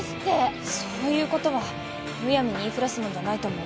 そういうことはむやみに言いふらすもんじゃないと思う。